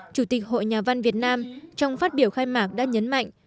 chủ tịch hội nhà văn việt nam trong phát biểu khai mạc đã nhấn mạnh